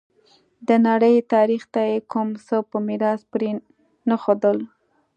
د نړۍ تاریخ ته یې کوم څه په میراث پرې نه ښودل.